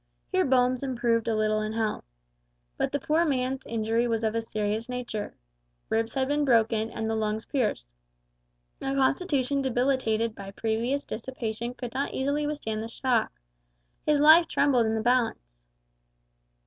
Here Bones improved a little in health. But the poor man's injury was of a serious nature. Ribs had been broken, and the lungs pierced. A constitution debilitated by previous dissipation could not easily withstand the shock. His life trembled in the balance.